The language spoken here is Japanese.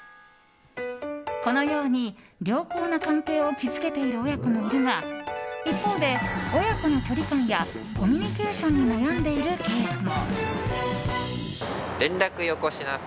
このように良好な関係を築けている親子もいるが一方で、親子の距離感やコミュニケーションに悩んでいるケースも。